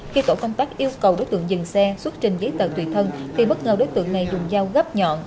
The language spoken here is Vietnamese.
khi tổ công tác yêu cầu đối tượng dừng xe xuất trình giấy tờ tùy thân thì bất ngờ đối tượng này dùng dao gấp nhọn